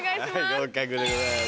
合格でございます。